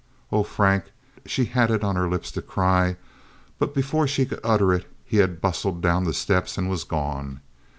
"Oh, Frank!" she had it on her lips to cry, but before she could utter it he had bustled down the steps and was gone.